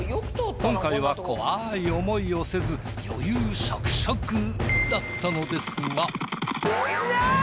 今回は怖い思いをせず余裕しゃくしゃくだったのですが。